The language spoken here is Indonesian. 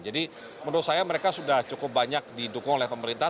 jadi menurut saya mereka sudah cukup banyak didukung oleh pemerintah